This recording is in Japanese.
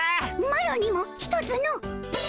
マロにもひとつの！